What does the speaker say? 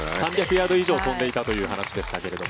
３００ヤード以上飛んでいたという話でしたけど。